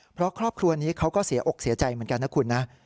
เพราะครอบครัวนี้เขาก็เสียอกเสียใจเหมือนกันนะคุณนะ